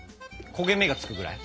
焦げ目がつくぐらい？